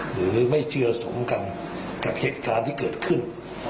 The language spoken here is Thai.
ไม่ใช่เจือสมกันกับเหตุการณ์ที่เกิดขึ้น